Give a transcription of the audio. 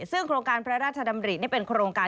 ซึ่งโครงการพระราชดำรินี่เป็นโครงการ